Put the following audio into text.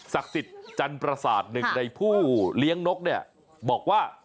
ศักดิจันประสาทหนึ่งในภูเลี้ยงนกเนี่ย